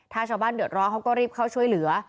ถ้าชาวบ้านเดือดร้อนเขาก็รีบเข้าช่วยเหลือ